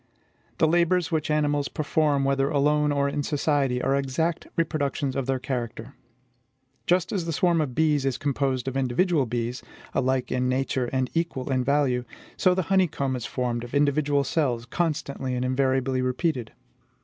The labors which animals perform, whether alone or in society, are exact reproductions of their character. Just as the swarm of bees is composed of individual bees, alike in nature and equal in value, so the honeycomb is formed of individual cells, constantly and invariably repeated.